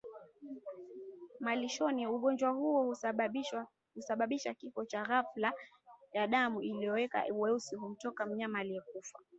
malishoni Ugonjwa huo husababisha kifo cha ghafla na damu iliyokolea weusi humtoka mnyama aliyekufa